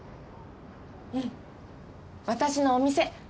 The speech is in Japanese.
うん私のお店！